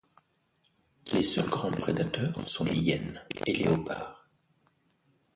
Les seuls grands prédateurs sont les hyènes et léopards.